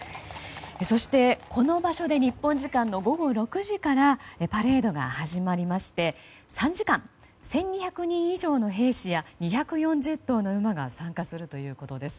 そして、この場所で日本時間の午後６時からパレードが始まりまして３時間、１２００人以上の兵士や２４０頭の馬が参加するということです。